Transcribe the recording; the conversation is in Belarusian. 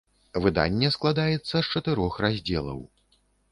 Выданне складаецца з чатырох раздзелаў.